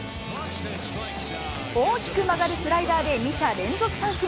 大きく曲がるスライダーで２者連続三振。